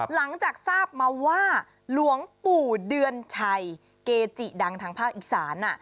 หลังจากทราบมาว่าหลวงปู่เดือนชัยเกจิดังทางภาคอีสาน